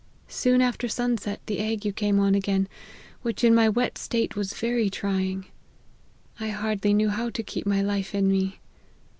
Soon after sun set the ague came on again, which, in my wet state, was very trying ; I hardly knew how to keep my life in me.